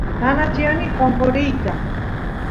nanachiani qonqoriyta